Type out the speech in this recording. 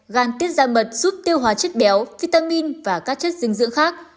gan tiết da mật giúp tiêu hóa chất béo vitamin và các chất dinh dưỡng khác